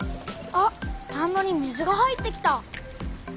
あ田んぼに水が入ってきた。